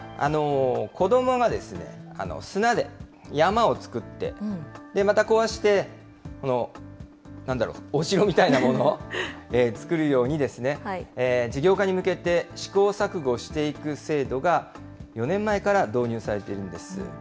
子どもが砂で山を作って、また壊して、この、なんだろう、お城みたいなものを作るように、事業化に向けて試行錯誤していく制度が４年前から導入されているんです。